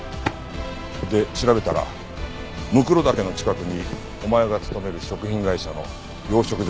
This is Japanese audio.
で調べたら骸岳の近くにお前が勤める食品会社の養殖場があった。